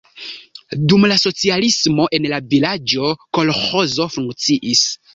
Dum la socialismo en la vilaĝo kolĥozo funkciis.